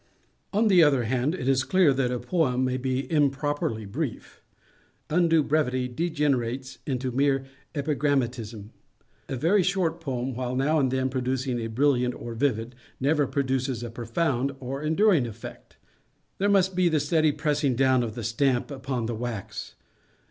On the other hand, it is clear that a poem may be improperly brief. Undue brevity degenerates into mere epigrammatism. A very short poem, while now and then producing a brilliant or vivid, never produces a profound or enduring effect. There must be the steady pressing down of the stamp upon the wax.